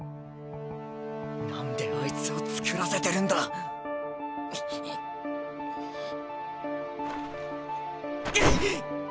なんであいつをつくらせてるんだ⁉くっ！